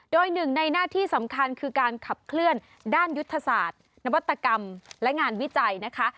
โดยหนึ่งในหน้าที่สำคัญคือการขับเคลื่อนด้านยุทธศาสตร์นวัตกรรมและงานวิจัยนะคะ